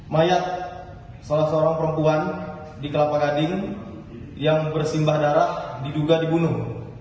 mayat salah seorang perempuan di kelapa gading yang bersimbah darah diduga dibunuh